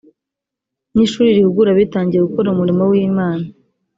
ni ishuri rihugura abitangiye gukora umurimo w’imana